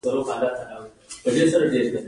قطبي هیږه په یخ کې ژوند کوي